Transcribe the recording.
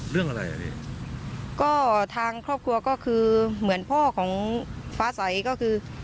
เรื่องอะไรอ่ะพี่ก็ทางครอบครัวก็คือเหมือนพ่อของฟ้าใสก็คือ